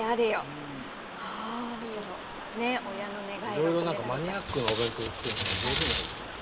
いろいろマニアックなお弁当を作るのが上手になるでしょうね。